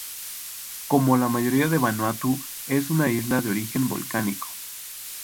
Como la mayoría de Vanuatu, es una isla de origen volcánico.